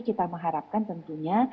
kita mengharapkan tentunya